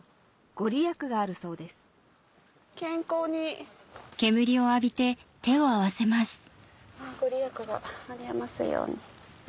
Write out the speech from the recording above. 御利益がありますように。